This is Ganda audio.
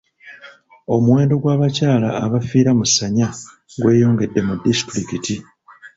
Omuwendo gw'abakyala abafiira mu ssanya gweyongedde mu disitulikiti.